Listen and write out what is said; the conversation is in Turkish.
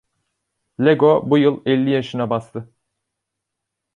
Lego bu yıl elli yaşına bastı.